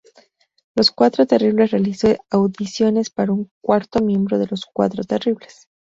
Los Cuatro Terribles realizó audiciones para un cuarto miembro de los Cuatro Terribles.